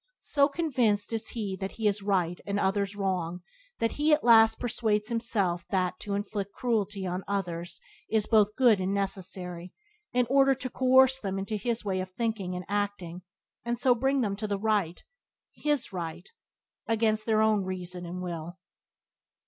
So convinced is he that he is right and others wrong that he at last persuades himself that to inflict cruelty on others is both good and necessary in order to coerce them into his way of thinking and acting, and so bring them to the right — his right — against their own reason and will.